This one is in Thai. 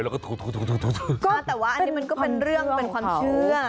แต่ว่าอันนี้มันเป็นเรื่องเป็นความเชื่อ